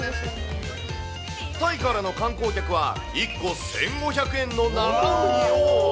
タイからの観光客は、１個１５００円の生ウニを。